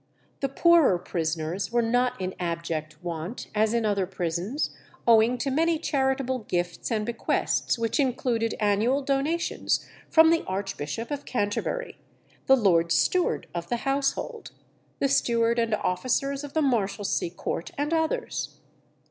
The poorer prisoners were not in abject want, as in other prisons, owing to many charitable gifts and bequests, which included annual donations from the Archbishop of Canterbury, the Lord Steward of the Household, the steward and officers of the Marshalsea Court, and others.